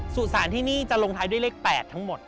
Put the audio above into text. สุสานที่นี่จะลงท้ายด้วยเลข๘ทั้งหมด